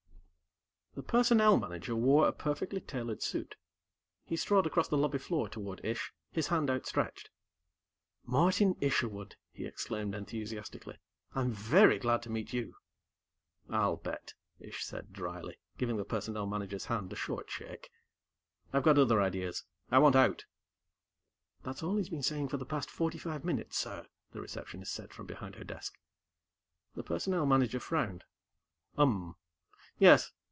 The Personnel Manager wore a perfectly tailored suit. He strode across the lobby floor toward Ish, his hand outstretched. "Martin Isherwood!" he exclaimed enthusiastically. "I'm very glad to meet you!" "I'll bet," Ish said dryly, giving the Personnel Manager's hand a short shake. "I've got other ideas. I want out." "That's all he's been saying for the past forty five minutes, Sir," the Receptionist said from behind her desk. The Personnel Manager frowned. "Um. Yes.